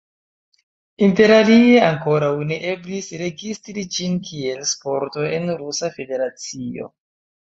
Interalie ankoraŭ ne eblis registri ĝin kiel sporto en Rusa Federacio.